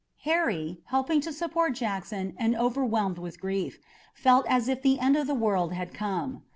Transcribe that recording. Harry, helping to support Jackson and overwhelmed with grief, felt as if the end of the world had come.